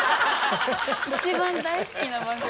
一番大好きな番組。